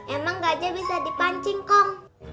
emang gajah bisa dipancing kok